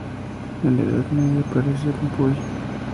En la Edad Media aparece en Puy.